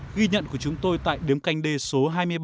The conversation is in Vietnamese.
ghi nhận của chúng tôi tại điếm canh đê số hai mươi ba